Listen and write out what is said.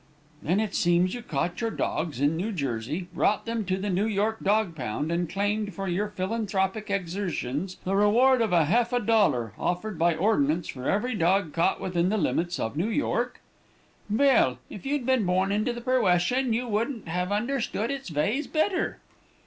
"'Then it seems you caught your dogs in New Jersey, brought them to the New York dog pound, and claimed for your philanthropic exertions the reward of a half a dollar, offered by ordinance for every dog caught within the limits of New York?' "'Vell, if you'd been born into the perwession, you couldn't have understood its vays better.'